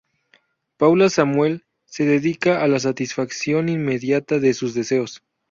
Paula Samuel se dedica a la satisfacción inmediata de sus deseos.